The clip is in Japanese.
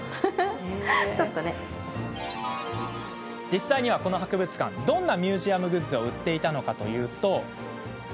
実際には、この博物館どんなミュージアムグッズを売っていたかというと。